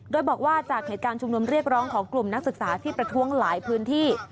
โดยบอกว่าจากเหตุการณ์ชุมนุมเรียกร้องของกลุ่มนักศึกษาที่ประท้วงหลายพื้นที่